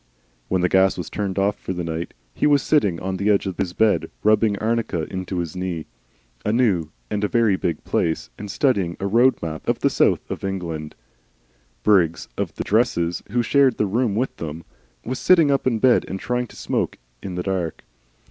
When the gas was turned off for the night he was sitting on the edge of his bed, rubbing arnica into his knee a new and very big place and studying a Road Map of the South of England. Briggs of the "dresses," who shared the room with him, was sitting up in bed and trying to smoke in the dark.